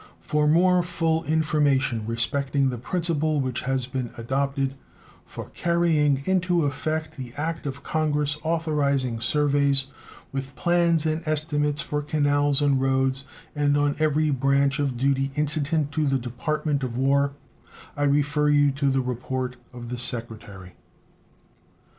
For more full information respecting the principle which has been adopted for carrying into effect the act of Congress authorizing surveys, with plans and estimates for canals and roads, and on every other branch of duty incident to the Department of War, I refer you to the report of the Secretary.